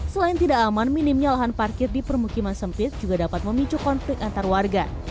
selain tidak aman minimnya lahan parkir di permukiman sempit juga dapat memicu konflik antar warga